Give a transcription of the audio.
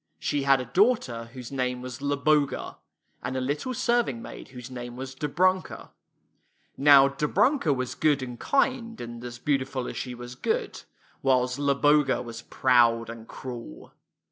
She had a daughter whose name was Zloboga, and a little serving maid whose name was Dobrunka. Now Dobrunka was good and kind, and as beautiful as she was good; while Zloboga was proud and cruel.